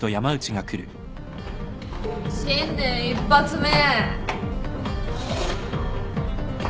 新年１発目。